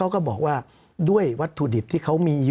สำหรับกำลังการผลิตหน้ากากอนามัย